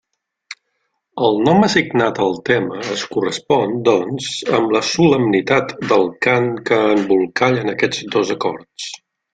El nom assignat al tema es correspon, doncs, amb la solemnitat del cant que embolcallen aquests dos acords.